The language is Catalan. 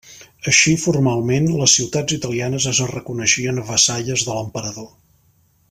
Així, formalment, les ciutats italianes es reconeixien vassalles de l'emperador.